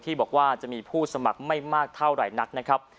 บอกว่าจะมีผู้สมัครไม่มากเท่าไหร่นักนะครับ